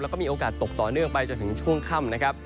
แล้วก็มีโอกาสตกต่อเนื่องไปจนถึงช่วงค่ำนะครับ